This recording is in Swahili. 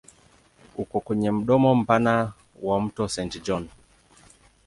Uko kwenye mdomo mpana wa mto Saint John.